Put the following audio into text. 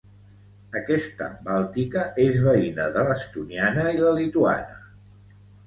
Aquesta bàltica és veïna de l'estoniana i la lituana.